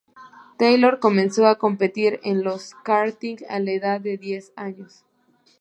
Taylor comenzó a competir en el karting a la edad de diez años.